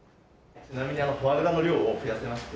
ちなみにフォアグラの量を増やせまして。